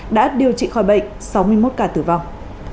đã điều trị khỏi bệnh sáu mươi một ca tử vong